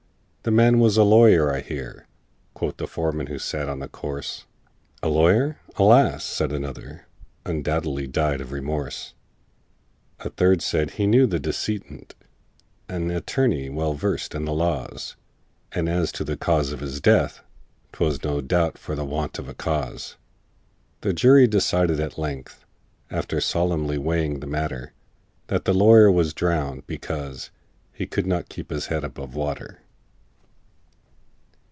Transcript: "The man was a lawyer, I hear," Quoth the foreman who sat on the corse. "A lawyer? Alas!" said another, "Undoubtedly died of remorse!" A third said, "He knew the deceased, An attorney well versed in the laws, And as to the cause of his death, 'Twas no doubt for the want of a cause." The jury decided at length, After solemnly weighing the matter, That the lawyer was drownded, because He could not keep his head above water!